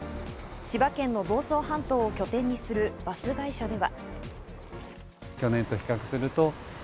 千葉県の房総半島を拠点にするバス会社では。